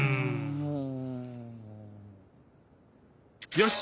よし！